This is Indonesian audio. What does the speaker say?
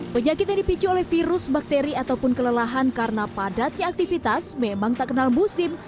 penyakit yang dipicu oleh virus bakteri ataupun kelelahan karena padatnya aktivitas memang tak kenal musim